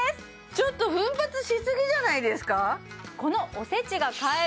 ちょっと奮発しすぎじゃないですか？